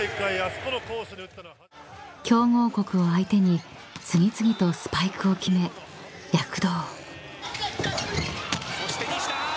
［強豪国を相手に次々とスパイクを決め躍動］そして西田。